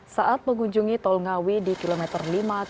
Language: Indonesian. saat mengunjungi tol ngawi di kilometer lima ratus tujuh puluh lima